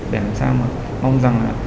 để làm sao mong rằng